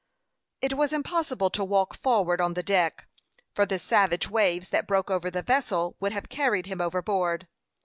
It was impossible to walk forward on the deck, for the savage waves that broke over the vessel would have carried him overboard.